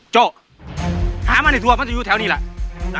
โจ๊ะหามันให้ดูว่ามันจะอยู่แถวนี้แหละ